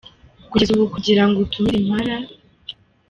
Kugeza ubu kugira ngo utumire Impala.